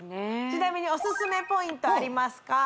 ちなみにおすすめポイントありますか？